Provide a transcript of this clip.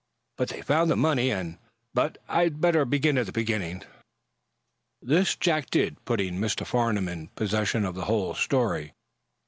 But they found the money, and but I'd better begin at the beginning." This Jack did, soon putting Mr. Farnum in possession of the whole story.